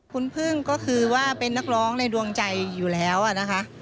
คุณพึ่งก็คือว่าเป็นนักร้องในดวงใจอยู่แล้วนะคะ